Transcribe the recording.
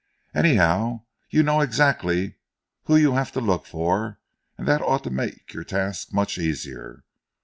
"Anyhow, you know exactly who you have to look for and that ought to make your task much easier.